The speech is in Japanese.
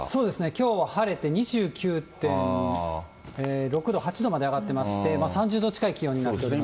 きょうは晴れて２９．６度、８度まで上がってまして、３０度近い気温になっています。